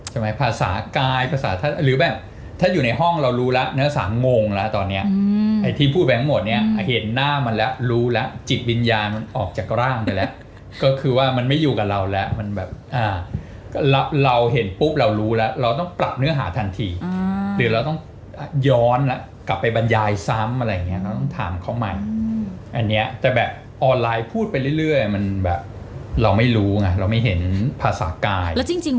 ใช่ไหมภาษากายภาษาธรรมหรือแบบถ้าอยู่ในห้องเรารู้แล้วเนื้อสามงงแล้วตอนเนี้ยไอ้ที่พูดไปทั้งหมดเนี้ยเห็นหน้ามันแล้วรู้แล้วจิตวิญญาณมันออกจากร่างไปแล้วก็คือว่ามันไม่อยู่กับเราแล้วมันแบบอ่ะเราเห็นปุ๊บเรารู้แล้วเราต้องปรับเนื้อหาทันทีหรือเราต้องย้อนแล้วกลับไปบรรยายซ้ำอะไรอย่างเงี้ยต้อง